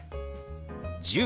「１０」。